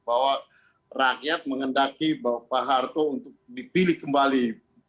bahwa rakyat menghendaki pak harto untuk dipilih kembali